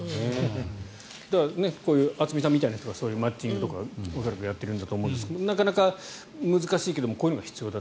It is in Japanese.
だから、こういう渥美さんみたいな人がマッチングみたいなことを恐らくやっているんだと思うんですがなかなか難しいけれどこういうのが必要だ。